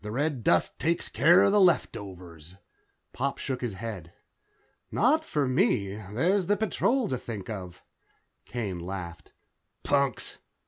The red dust takes care of the leftovers." Pop shook his head. "Not for me. There's the Patrol to think of." Kane laughed. "Punks.